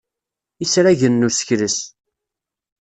Isragen n usekles.